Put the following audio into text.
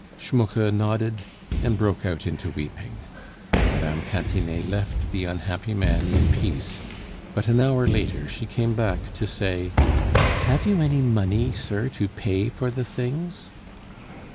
Schmucke nodded and broke out into weeping. Mme. Cantinet left the unhappy man in peace; but an hour later she came back to say: "Have you any money, sir, to pay for the things?"